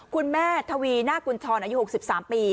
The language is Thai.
คุณแม่ทวีนาคุณทรอายุ๖๓ปี